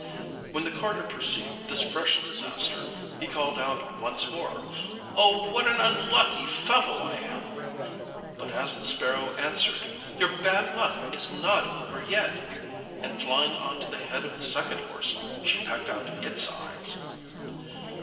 When the carter perceived this fresh disaster he called out once more: 'Oh! what an unlucky fellow I am!' But the sparrow answered: 'Your bad luck is not over yet,' and flying on to the head of the second horse she pecked out its eyes.